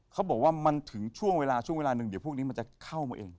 เขาบอกว่ามันถึงช่วงเวลาช่วงเวลาหนึ่งเดี๋ยวพวกนี้มันจะเข้ามาเอง